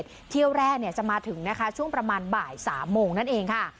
เที่ยวแรกจะมาถึงนะคะช่วงประมาณบ่าย๓โมงนั่นเองค่ะ